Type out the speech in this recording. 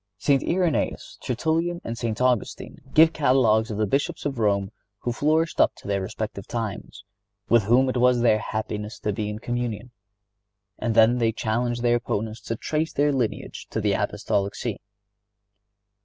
St. Irenæus, Tertullian and St. Augustine give catalogues of the Bishops of Rome who flourished up to their respective times, with whom it was their happiness to be in communion, and then they challenged their opponents to trace their lineage to the Apostolic See.